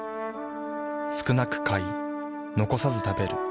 少なく買い残さず食べる。